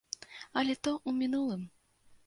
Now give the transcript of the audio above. Але то ў мінулым.